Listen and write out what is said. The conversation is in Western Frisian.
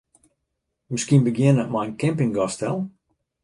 Miskien begjinne mei in campinggasstel?